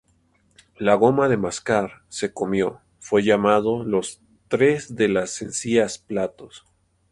La goma de mascar se comió fue llamado los "tres de las encías platos".